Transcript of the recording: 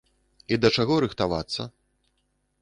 І да чаго рыхтавацца?